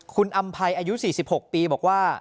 คุณอำภัยอายุ๔๖ปีบอกว่า